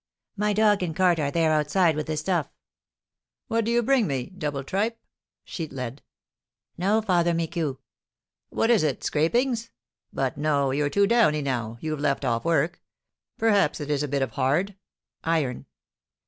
"My dog and cart are there outside with the stuff." "What do you bring me, double tripe (sheet lead)?" "No, Father Micou." "What is it, scrapings? but no, you're too downy now, you've left off work. Perhaps it is a bit of hard (iron)?"